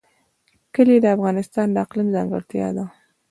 کلي د افغانستان د اقلیم ځانګړتیا ده.